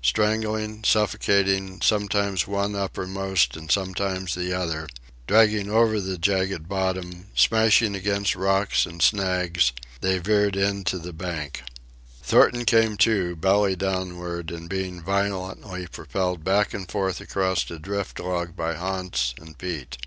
Strangling, suffocating, sometimes one uppermost and sometimes the other, dragging over the jagged bottom, smashing against rocks and snags, they veered in to the bank. Thornton came to, belly downward and being violently propelled back and forth across a drift log by Hans and Pete.